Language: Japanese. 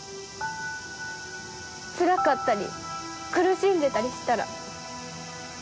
つらかったり苦しんでたりしたら。